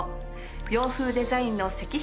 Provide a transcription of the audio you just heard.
洋風デザインの石碑